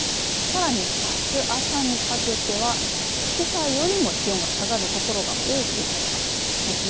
さらに、あす朝にかけてはけさよりも気温が下がるところが多くなります。